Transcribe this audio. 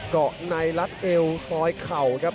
เกาะในรัดเอวซอยเข่าครับ